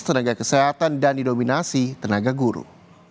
tenaga kesehatan dan didominasi tenaga guru